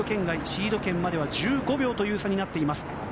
シード権までは１５秒という差になっています。